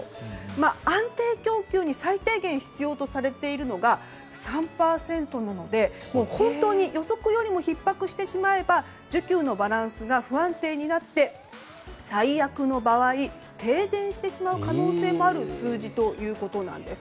安定供給に最低限必要とされているのが３％なので、本当に予測よりもひっ迫してしまえば需給のバランスが不安定になって最悪の場合、停電してしまう可能性もある数字ということです。